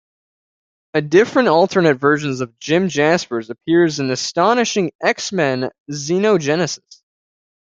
A different alternate version of Jim Jaspers appears in Astonishing X-Men: Xenogenesis.